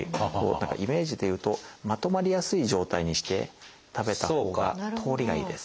イメージでいうとまとまりやすい状態にして食べたほうが通りがいいです。